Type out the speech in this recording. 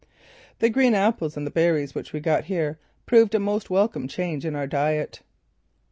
The green apples and the berries which we got here proved a most welcome change in our diet.